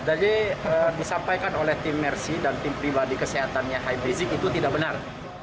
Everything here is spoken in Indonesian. jadi disampaikan oleh tim mersi dan tim pribadi kesehatannya habib rizik itu tidak benar